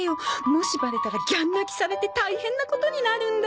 もしバレたらギャン泣きされて大変なことになるんだから。